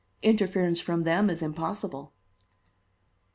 Interference from them is impossible."